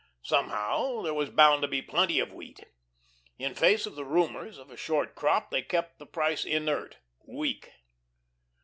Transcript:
Somehow there was bound to be plenty of wheat. In face of the rumours of a short crop they kept the price inert, weak.